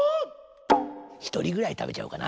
ひとりぐらいたべちゃおうかな。